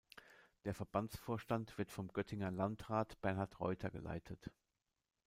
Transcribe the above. Der Verbandsvorstand wird vom Göttinger Landrat Bernhard Reuter geleitet.